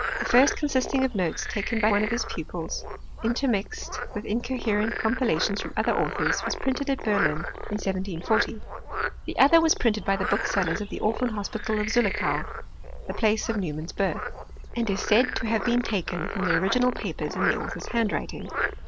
The first consisting of notes taken by one of his pupils, intermixed with incoherent compilations from other authors, was printed at Berlin in 1740. The other was printed by the booksellers of the Orphan Hospital of Zullichau (the place of Neu mann's birth), and is said to have been taken from the original papers in the author's handwriting.